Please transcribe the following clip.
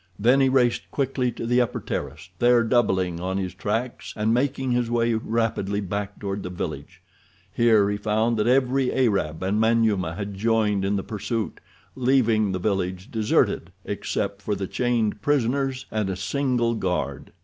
Then he raced quickly to the upper terrace, there doubling on his tracks and making his way rapidly back toward the village. Here he found that every Arab and Manyuema had joined in the pursuit, leaving the village deserted except for the chained prisoners and a single guard.